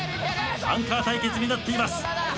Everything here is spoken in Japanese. アンカー対決になっています。